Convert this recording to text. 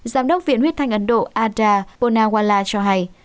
giám đốc viện huyết thanh ấn độ adha ponala cho hay